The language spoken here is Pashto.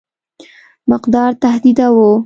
مقدار تهدیداوه.